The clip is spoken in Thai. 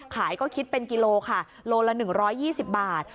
ขายก็คิดเป็นกิโลค่ะโลละหนึ่งร้อยยี่สิบบาท